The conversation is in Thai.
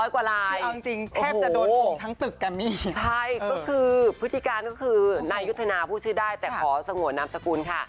๓๐๐กว่าลายโอ้โหใช่ก็คือพฤติการก็คือนายุทธนาผู้ชื่อได้แต่ขอสงวนนามสกุลค่ะ